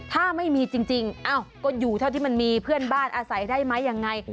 ถ้าไม่มีจริงก็อยู่เท่าที่มันมีเพื่อนบ้านอาศัยได้ไหมยังไง